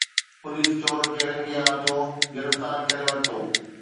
police چور کي رنگي ہاتھوں گرفتار ڪري ورتو